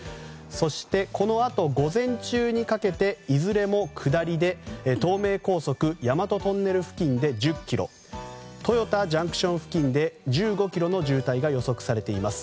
そしてこのあと午前中にかけていずれも下りで東名高速大和トンネル付近で１０ｋｍ豊田ＪＣＴ付近で１５ｋｍの渋滞が予測されています。